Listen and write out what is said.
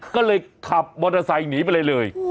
ก็เลยขับมอเตอร์ไซค์หนีไปเลย